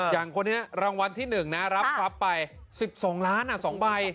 อย่างคนนี้รางวัลที่๑นะรับทรัพย์ไป๑๒ล้าน๒ใบ